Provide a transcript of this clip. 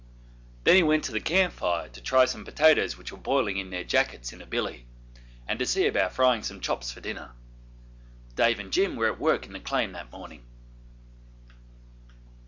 Then he went to the camp fire to try some potatoes which were boiling in their jackets in a billy, and to see about frying some chops for dinner. Dave and Jim were at work in the claim that morning.